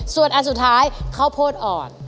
ส่วนอันสุดท้ายข้าวโพดอ่อน